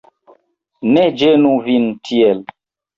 Ne ĝenu vin tiel.